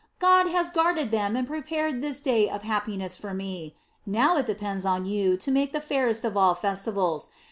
God has guarded them and prepared this day of happiness for me. Now it depends on you to make it the fairest of all festivals.